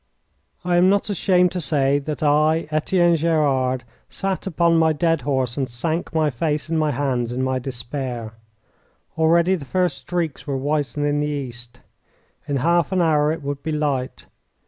I am not ashamed to say that I, Etienne Gerard, sat upon my dead horse and sank my face in my hands in my despair. Already the first streaks were whitening the east. In half an hour it would be light.